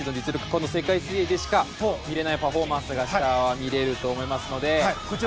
この世界水泳でしか見れないパフォーマンスが明日は見れると思いますので。